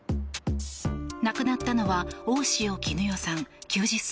亡くなったのは大塩衣與さん、９０歳。